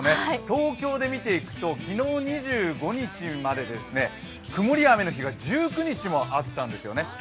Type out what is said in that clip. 東京で見ていくと昨日２５日まで曇りや雨の日が１９日もあったんですよね。